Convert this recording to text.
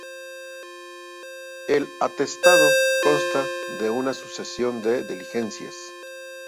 El atestado, consta de una sucesión de diligencias.